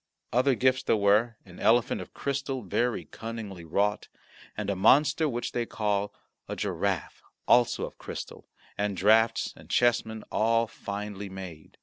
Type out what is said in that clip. Other gifts there were, an elephant of crystal, very cunningly wrought, and a monster which they call a giraffe, also of crystal, and draughts and chessmen, all finely made.